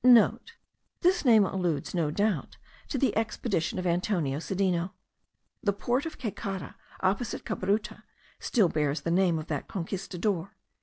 (* This name alludes, no doubt, to the expedition of Antonio Sedeno. The port of Caycara, opposite Cabruta, still bears the name of that Conquistador.)